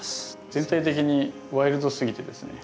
全体的にワイルドすぎてですね。